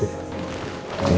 tinggal gini ya